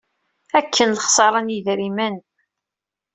Akken d lexṣara n yidrimen!